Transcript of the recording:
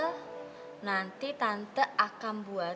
oh v dua ada di kantor gdzie boith